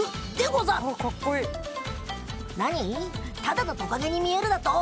ただのトカゲに見えるだと？